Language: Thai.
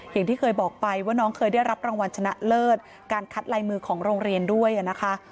อย่างที่เคยบอกไปว่าน้องเคยได้รับรางวัลชนะเลิศการคัดลายมือของโรงเรียนด้วยนะคะ